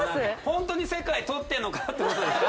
ホントに世界とってんのかってことですか？